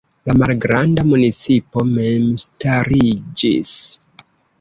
La malgranda municipo memstariĝis.